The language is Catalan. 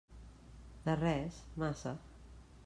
De res, massa.